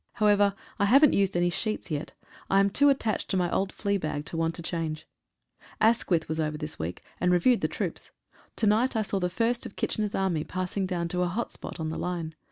However, I haven't used any sheets yet — I am too attached to my old flea bag to want to change. Asquith was over this week, and reviewed the troops. To night I saw the first of "K's" army passing down to a hot spot on the line.